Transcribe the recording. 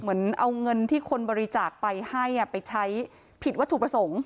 เหมือนเอาเงินที่คนบริจาคไปให้ไปใช้ผิดวัตถุประสงค์